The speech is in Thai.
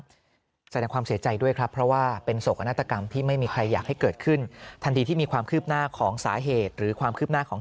แสดงความเสียใจด้วยครับเพราะว่าเป็นโศกนาฏกรรมที่ไม่มีใครอยากให้เกิดขึ้นทันทีที่มีความคืบหน้าของสาเหตุหรือความคืบหน้าของ